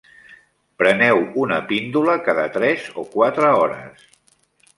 Preneu una píndola cada tres o quatre hores.